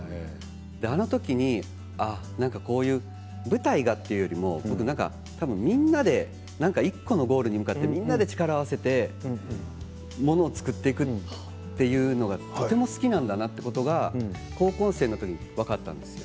あの時にこういう舞台がというよりもみんなで何か１個のゴールに向かって、力を合わせてものを作っていくということがとても好きなんだなということが高校生の時に分かったんです。